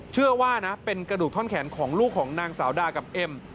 เชื่อว่านะเป็นกระดูกท่อนแขนของลูกของนางสาวดากับเอ็ม